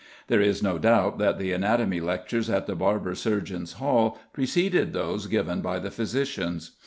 There is no doubt that the anatomy lectures at the Barber Surgeons' Hall preceded those given by the physicians.